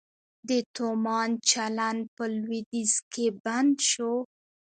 د تومان چلند په لویدیځ کې بند شو؟